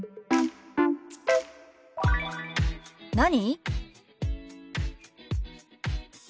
「何？」。